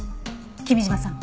君嶋さん。